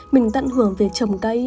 mình tận hưởng việc chồng cây